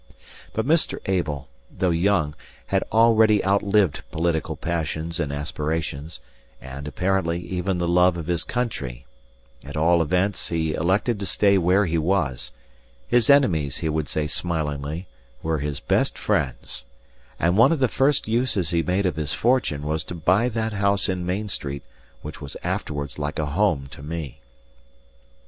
But Mr. Abel, though young, had already outlived political passions and aspirations, and, apparently, even the love of his country; at all events, he elected to stay where he was his enemies, he would say smilingly, were his best friends and one of the first uses he made of his fortune was to buy that house in Main Street which was afterwards like a home to me.